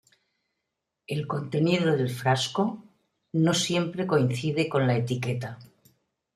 El contenido del frasco no siempre coincide con la etiqueta.